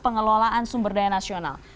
pengelolaan sumber daya nasional